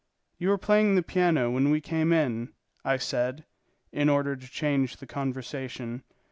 "You were playing the piano when we came in," I said, in order to change the conversation.